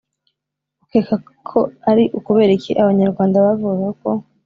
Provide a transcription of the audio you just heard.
Ukeka ko ari ukubera iki Abanyarwnda bavugaga ko